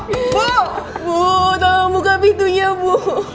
ibu tolong buka pintunya ibu